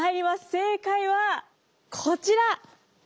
正解はこちら。